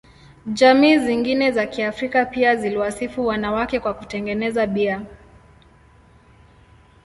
Jamii zingine za Kiafrika pia ziliwasifu wanawake kwa kutengeneza bia.